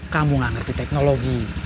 kamu nggak ngerti teknologi